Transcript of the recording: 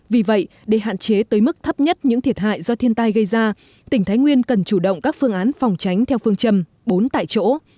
vì vậy để hạn chế tới mức thấp nhất những thiệt hại do thiên tai gây ra tỉnh thái nguyên cần chủ động các phương án phòng tránh theo phương châm bốn tại chỗ